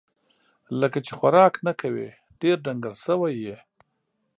لکه چې خوراک نه کوې ، ډېر ډنګر سوی یې